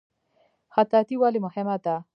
خطاطي ولې مهمه ده؟